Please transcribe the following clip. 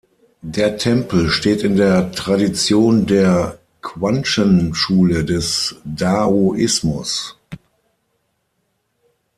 Der Tempel steht in der Tradition der Quanzhen-Schule des Daoismus.